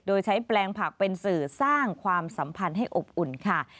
โดยใช้แปลงผักเป็นสื่อสร้างความสัมพันธ์ให้อบอุ่นค่ะ